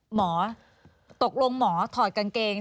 หมอตกลงหมอถอดกางเกง